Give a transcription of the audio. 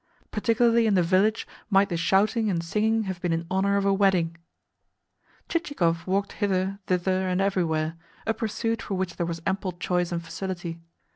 Particularly in the village might the shouting and singing have been in honour of a wedding! Chichikov walked hither, thither, and everywhere a pursuit for which there was ample choice and facility.